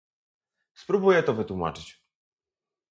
Spróbuję to wytłumaczyć